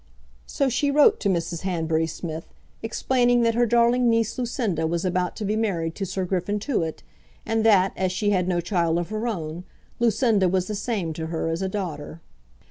So she wrote to Mrs. Hanbury Smith, explaining that her darling niece Lucinda was about to be married to Sir Griffin Tewett, and that, as she had no child of her own, Lucinda was the same to her as a daughter.